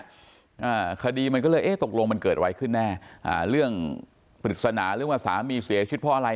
อ่าคดีมันก็เลยเอ๊ะตกลงมันเกิดอะไรขึ้นแน่อ่าเรื่องปริศนาหรือว่าสามีเสียชีวิตเพราะอะไร